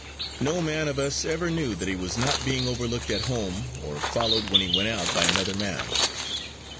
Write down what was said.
No man of us ever knew that he was not being overlooked at home, or followed when he went out, by another man.